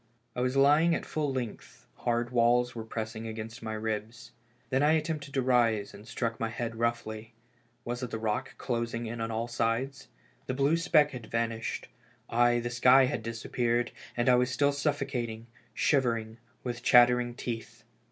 I was lying at full length, hard walls were pressing against my ribs. Then I attempted to rise and struck my head roughly. Was it the rock closing in on all sides? The blue speck had vanished — aye, the sky had disappeared — and I was still suffoca ting, shivering, with chattering teeth.